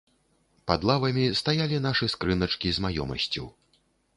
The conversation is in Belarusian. Пад лавамі стаялі нашы скрыначкі з маёмасцю.